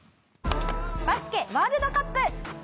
バスケワールドカップ。